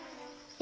え！